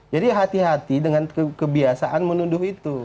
jadi hati hati dengan kebiasaan menuduh itu